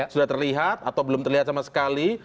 sudah terlihat atau belum terlihat sama sekali